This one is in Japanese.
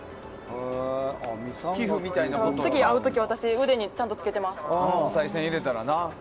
次会う時、私ちゃんと腕に着けてます。